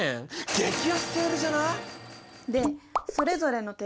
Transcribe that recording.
激安セールじゃない！？